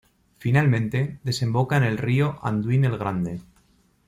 Finalmente, desemboca en el río Anduin el Grande.